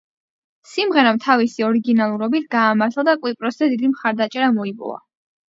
სიმღერამ თავისი ორიგინალურობით გაამართლა და კვიპროსზე დიდი მხარდაჭერა მოიპოვა.